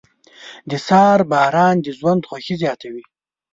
• د سهار باران د ژوند خوښي زیاتوي.